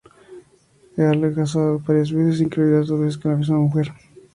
Earle se ha casado varias veces, incluidas dos veces con la misma mujer.